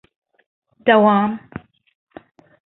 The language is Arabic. داوم.